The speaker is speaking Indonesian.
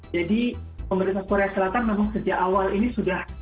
pemerintah korea selatan memang sejak awal ini sudah